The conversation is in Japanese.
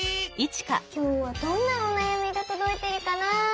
きょうはどんなおなやみがとどいているかな？